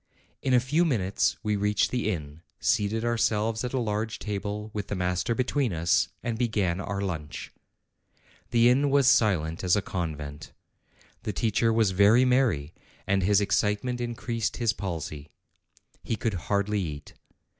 In a few minutes we reached the inn, seated ourselves at a large table, with the master between us, and began our lunch. The inn w r as silent as a convent. The teacher was very merry, and his excitement increased his palsy : he could hardly eat.